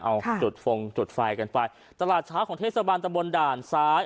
เอาจุดฟงจุดไฟกันไปตลาดเช้าของเทศบาลตะบนด่านซ้าย